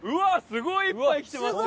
すごいいっぱい来てますよ